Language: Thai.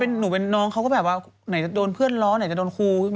หนูเป็นน้องเขาก็แบบว่าไหนจะโดนเพื่อนล้อไหนจะโดนครู